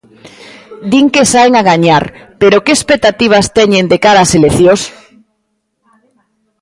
Din que saen a gañar, pero que expectativas teñen de cara ás eleccións?